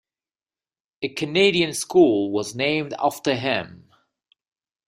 A Canadian school was named after him.